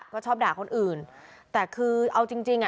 ก็ชอบด่าคนอื่นแต่คือเอาจริงจริงอ่ะ